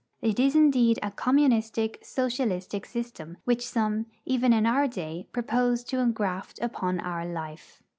It is indeed a communistic, socialistic system, which some, even in our day, propose to engraft upon our life.